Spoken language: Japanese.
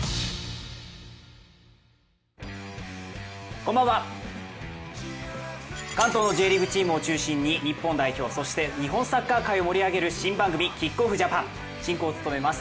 こんばんは関東のＪリーグチームを中心に日本代表、そして日本サッカー界を盛り上げる「ＫＩＣＫＯＦＦ！Ｊ」。進行を務めます